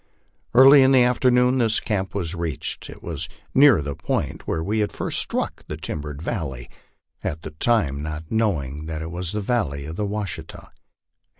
Early in the afternoon this camp was reached ; it was near the point where we had first struck the timbered valley, at the time not know ing that it was the valley of the Washita.